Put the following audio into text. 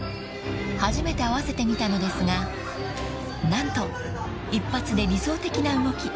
［初めて合わせてみたのですが何と一発で理想的な動き］